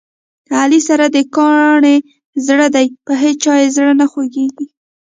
علي سره د کاڼي زړه دی، په هیچا یې زړه نه خوګېږي.